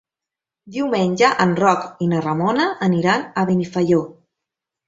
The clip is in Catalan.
Diumenge en Roc i na Ramona aniran a Benifaió.